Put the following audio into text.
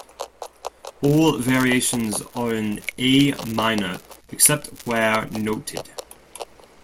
All variations are in A minor except where noted.